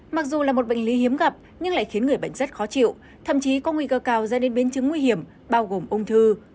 mặc dù là một bệnh lý hiếm gặp nhưng lại khiến người bệnh rất khó chịu thậm chí có nguy cơ cao ra đến biến chứng nguy hiểm bao gồm ung thư